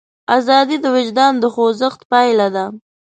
ازادي د وجدان د خوځښت پایله ده.